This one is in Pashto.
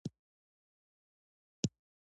کور د چا اړتیا ده؟